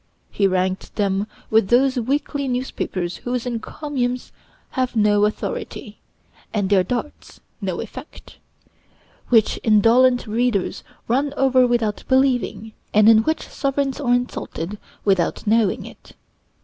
He ranked them with those weekly newspapers whose encomiums have no authority, and their darts no effect; which indolent readers run over without believing, and in which sovereigns are insulted without knowing it.